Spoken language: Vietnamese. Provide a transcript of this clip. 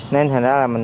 nên thành ra là mình